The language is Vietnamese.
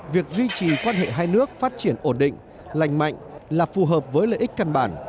việc duy trì quan hệ hai nước phát triển ổn định lành mạnh là phù hợp với lợi ích căn bản